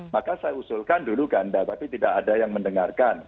maka saya usulkan dulu ganda tapi tidak ada yang mendengarkan